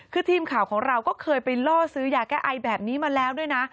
คือทีมข่าวของเราก็เคยไปล่อซื้อยาแก้ไอแบบนี้มาแล้วด้วยนะ